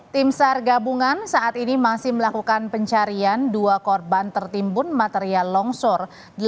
tim sar gabungan saat ini masih melakukan pencarian dua korban tertimbun material longsor